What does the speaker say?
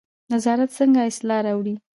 نظارت څنګه اصلاح راوړي؟